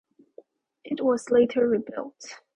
It was later rebuilt.